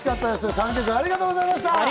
３曲ありがとうございました！